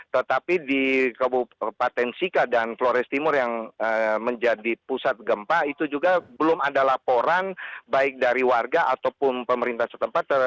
tetapi di kabupaten sika dan flores timur yang menjadi pusat gempa itu juga belum ada laporan baik dari warga ataupun pemerintah setempat